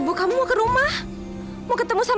bahkan dari andre lahir pun